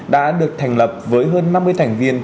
đã được thành lập với hơn năm mươi thành viên